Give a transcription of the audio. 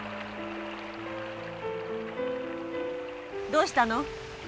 どうしたの？